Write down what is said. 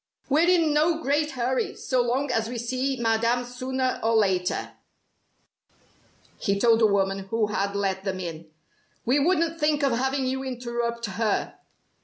"We're in no great hurry, so long as we see Madame sooner or later," he told the woman who had let them in. "We wouldn't think of having you interrupt her."